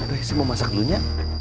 doi saya mau masak dulu ya